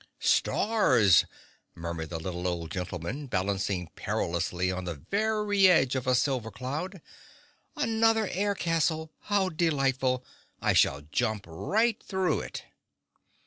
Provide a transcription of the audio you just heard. "Stars!" murmured the little old gentleman, balancing perilously on the very edge of a silver cloud. "Another air castle! How delightful! I shall jump right through it!"